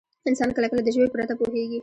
انسان کله کله د ژبې پرته پوهېږي.